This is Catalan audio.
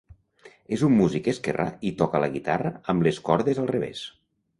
És un músic esquerrà i toca la guitarra amb les cordes al revés.